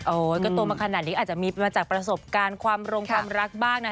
ก็โตมาขนาดนี้อาจจะมีมาจากประสบการณ์ความรงความรักบ้างนะ